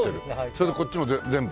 それでこっちも全部？